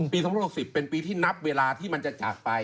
๒๐๖๐เป็นปีที่นับเวลาที่มันจะจากไป